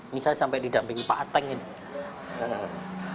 misalnya sampai didampingi pateng ini